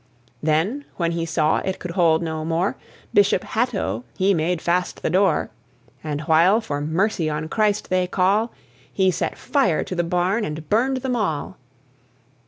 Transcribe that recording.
Then, when he saw it could hold no more, Bishop Hatto, he made fast the door; And while for mercy on Christ they call, He set fire to the barn and burned them all.